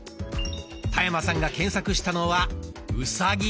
田山さんが検索したのは「うさぎ」。